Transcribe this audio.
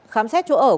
khám xét chỗ ở